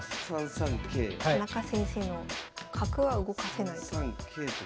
田中先生の角は動かせないと。